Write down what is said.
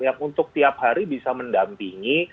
yang untuk tiap hari bisa mendampingi